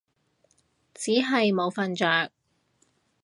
只係冇瞓着